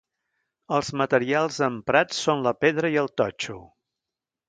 Els materials emprats són la pedra i el totxo.